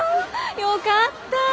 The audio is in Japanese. よかった。